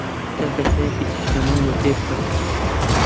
کاکە چایەکی دیشلەمەم لۆ تێ بکە.